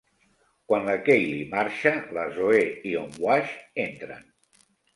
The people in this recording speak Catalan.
Quan la Kaylee marxa, la Zoe i en Wash entren.